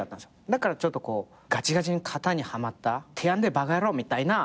だからちょっとこうガチガチに型にはまった「てやんでぇバカ野郎」みたいな。